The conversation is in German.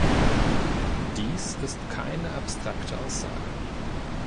Dies ist keine abstrakte Aussage.